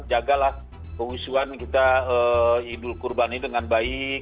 jagalah keusuhan kita idul kurban ini dengan baik